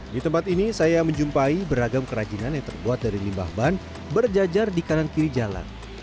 di tempat ini saya menjumpai beragam kerajinan yang terbuat dari limbah ban berjajar di kanan kiri jalan